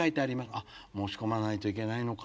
あっ申し込まないといけないのか。